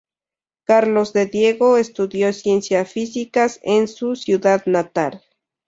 Carlos de Diego estudió Ciencias Físicas en su ciudad natal.